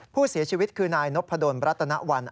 ผู้เสียชีวิตคือนายนพดลรัตนวัน